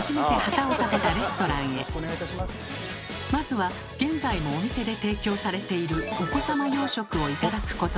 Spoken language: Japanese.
早速まずは現在もお店で提供されているお子様洋食を頂くことに。